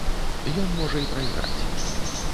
Ён можа і прайграць.